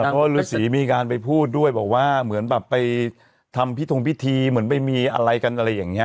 เพราะว่าฤษีมีการไปพูดด้วยบอกว่าเหมือนแบบไปทำพิธงพิธีเหมือนไปมีอะไรกันอะไรอย่างนี้